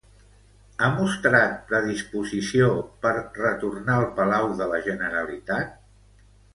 Ha mostrat predisposició per retornar al Palau de la Generalitat?